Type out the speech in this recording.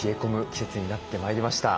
季節になってまいりました。